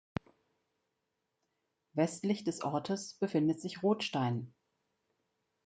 Westlich des Ortes befindet sich Rothstein.